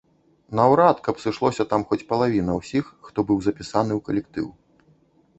Наўрад, каб сышлося там хоць палавіна ўсіх, хто быў запісаны ў калектыў.